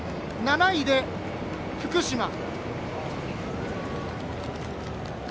７位で福島。